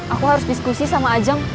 aku harus diskusi sama ajang